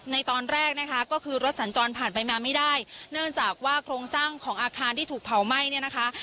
ในตอนแรกนะคะก็คือรถสัญจรผ่านไปมาไม่ได้เนื่องจากว่าโครงสร้างของอาคารที่ถูกเผาไหม้เนี่ยนะคะ